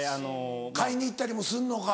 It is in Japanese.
買いに行ったりもすんのか。